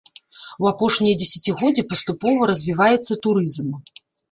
У апошнія дзесяцігоддзі паступова развіваецца турызм.